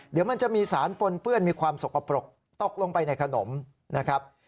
เดี๋ยวมันจะมีสารปนเปื้อนมีความสกปรกตกลงไปในขนมนะครับ